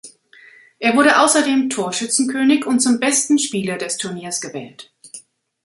Er wurde außerdem Torschützenkönig und zum besten Spieler des Turniers gewählt.